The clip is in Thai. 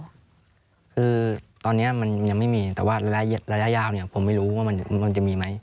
คือตอนนี้มันยังไม่มีแต่ว่าระยะยาวเนี่ยผมไม่รู้ว่ามันควรจะมีไหม